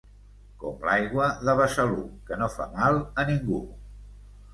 Com l'aigua de Besalú, que no fa mal a ningú.